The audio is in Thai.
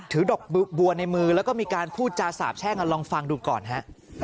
ดอกบัวในมือแล้วก็มีการพูดจาสาบแช่งลองฟังดูก่อนฮะ